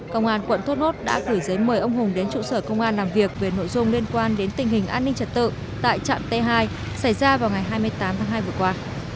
công an quận thốt nốt đã gửi giấy mời ông hùng đến trụ sở công an làm việc về nội dung liên quan đến tình hình an ninh trật tự tại trạm t hai xảy ra vào ngày hai mươi tám tháng hai vừa qua